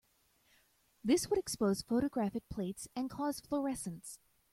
This would expose photographic plates and cause fluorescence.